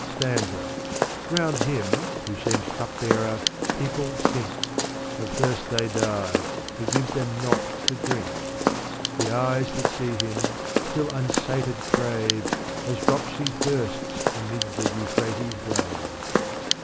Sfansa. Round him f who seems cupbearer, people sink ; Of ffiirst they die, he gives 0iem not to drink. The eyes that see him, still unsated crave, As dropsy thirsts amid the Euphrates' wave.